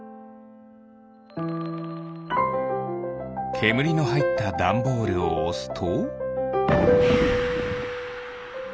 けむりのはいったダンボールをおすと？